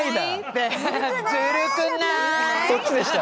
そっちでした。